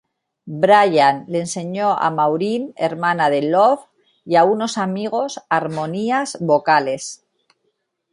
Brian le enseñó a Maureen, hermana de Love, y a unos amigos, armonías vocales.